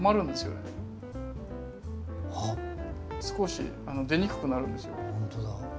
少し出にくくなるんですよね。